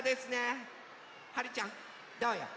はるちゃんどうよ？